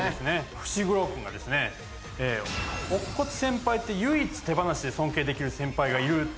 伏黒くんがですね「乙骨先輩って唯一手放しで尊敬できる先輩がいる」と。